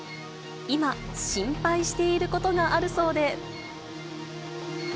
今、心配していることがあるそうで。